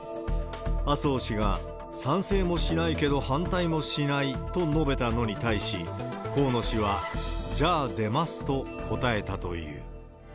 麻生氏が賛成もしないけど反対もしないと述べたのに対し、河野氏は、じゃあ出ますと答えたという。